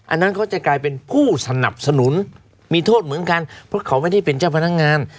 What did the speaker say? อันนั้นเขาจะกลายเป็นผู้สนับสนุนมีโทษเหมือนกันเพราะเขาไม่ได้เป็นเจ้าพนักงาน